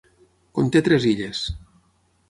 Conté tres illes.